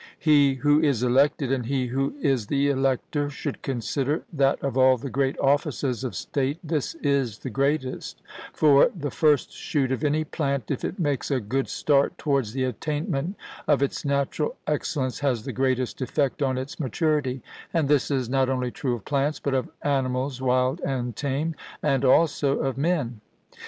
He who is elected, and he who is the elector, should consider that of all the great offices of state this is the greatest; for the first shoot of any plant, if it makes a good start towards the attainment of its natural excellence, has the greatest effect on its maturity; and this is not only true of plants, but of animals wild and tame, and also of men.